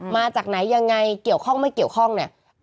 มาจากไหนยังไงเกี่ยวข้องไม่เกี่ยวข้องเนี่ย